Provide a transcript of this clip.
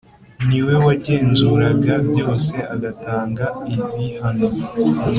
Ni we wagenzuraga byose agatanga ibihano .